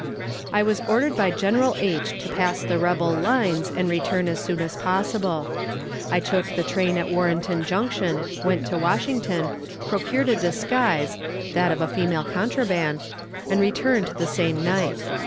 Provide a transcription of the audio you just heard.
I was ordered by General H. to pass the rebel lines, and return as soon as possible. I took the train at Warrenton Junction, went to Washington, procured a disguise, that of a female contraband, and returned the same night.